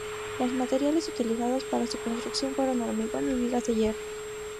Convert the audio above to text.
Los materiales utilizados para su construcción fueron hormigón y vigas de hierro.